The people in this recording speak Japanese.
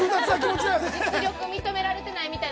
実力、認められてないみたいな。